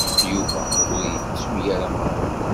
Yuba ur yettu ara Mary.